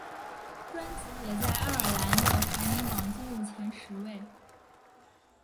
专辑也在爱尔兰的排行榜进入前十位。